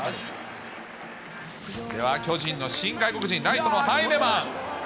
では巨人の新外国人、ライトのハイネマン。